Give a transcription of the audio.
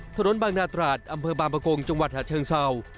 ถนนบางนาตราดอำเภอบางประกงจังหวัดฉะเชิงเศร้า